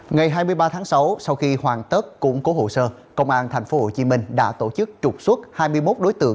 ngày hai mươi ba tháng sáu sau khi hoàn tất củng cố hồ sơ công an tp hcm đã tổ chức trục xuất hai mươi một đối tượng